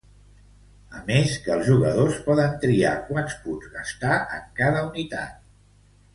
A més que els jugadors poden triar quants punts gastar en cada unitat.